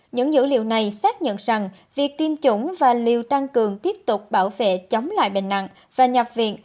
những dữ liệu này xác nhận rằng việc tiêm chủng và liều tăng cường tiếp tục bảo vệ chống lại bệnh nặng và nhập viện